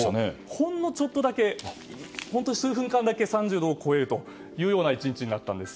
ほんのちょっとだけほんの数分間だけ３０度を超えた１日になったんです。